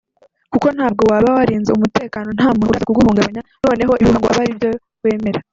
Kuko ntabwo waba warinze umutekano nta muntu uraza kuguhungabanya noneho ibihuha ngo abe aribyo wemera”